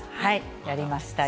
やりましたよ。